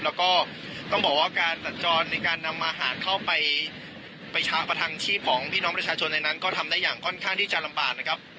แล้วก็ต้องบอกว่าการสัญจรในการนำอาหารเข้าไปไปประทังชีพของพี่น้องประชาชนในนั้นก็ทำได้อย่างค่อนข้างที่จะลำบากนะครับ